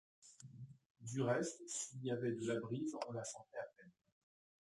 Du reste, s’il y avait de la brise, on la sentait à peine.